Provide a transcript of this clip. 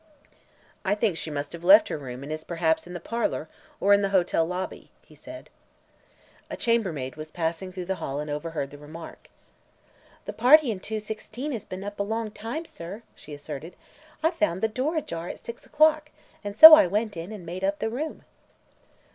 "I think she must have left her room and is perhaps in the parlor, or in the hotel lobby," he said. A chambermaid was passing through the hall and overheard the remark. "The party in 216 has been up a long time, sir," she asserted. "I found the door ajar at six o'clock, and so I went in and made up the room."